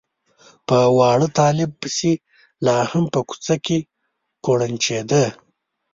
په واړه طالب پسې لا هم په کوڅه کې کوړنجېده.